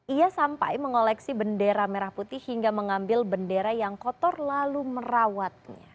ia sampai mengoleksi bendera merah putih hingga mengambil bendera yang kotor lalu merawatnya